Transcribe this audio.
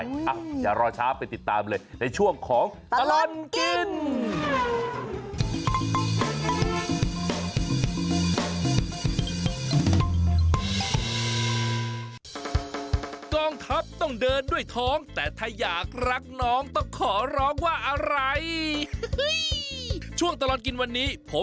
อ่ะอย่ารอช้าไปติดตามเลยในช่วงของตลอดกิน